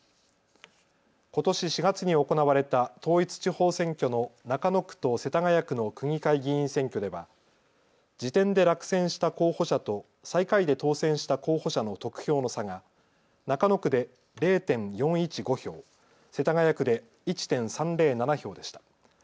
ことし４月に行われた統一地方選挙の中野区と世田谷区の区議会議員選挙では次点で落選した候補者と最下位で当選した候補者の得票の差が中野区で０．４１５票、世田谷区で１．３０７票でした。